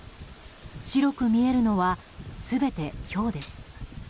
白く見えるのは全てひょうです。